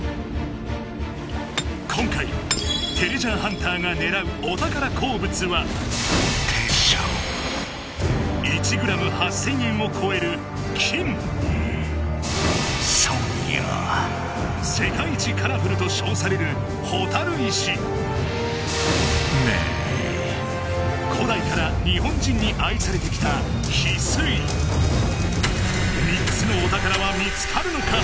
今回てれジャーハンターがねらう１グラム８，０００円をこえる世界一カラフルとしょうされる古代から日本人にあいされてきた３つのお宝は見つかるのか？